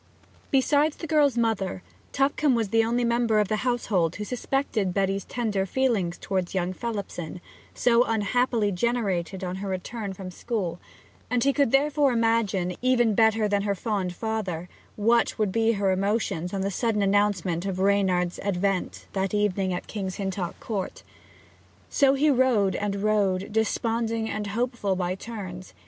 Besides the girl's mother, Tupcombe was the only member of the household who suspected Betty's tender feelings towards young Phelipson, so unhappily generated on her return from school; and he could therefore imagine, even better than her fond father, what would be her emotions on the sudden announcement of Reynard's advent that evening at King's Hintock Court. So he rode and rode, desponding and hopeful by turns.